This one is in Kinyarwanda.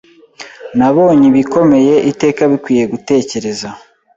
Nabonye ibikomeye iteka bikwiye gutekereza